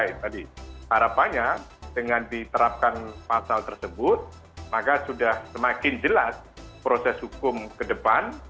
jadi harapannya dengan diterapkan pasal tersebut maka sudah semakin jelas proses hukum ke depan